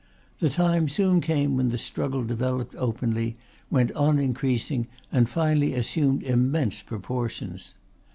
The time soon came when the struggle developed openly, went on increasing, and finally assumed immense proportions.